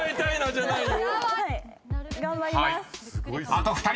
［あと２人。